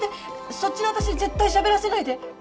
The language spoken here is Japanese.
そっちの私に絶対しゃべらせないで。